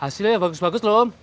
hasilnya bagus bagus loh om